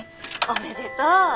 おめでとう！